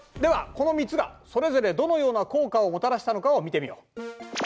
この３つがそれぞれどのような効果をもたらしたのかを見てみよう。